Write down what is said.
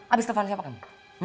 abis telepon siapa kamu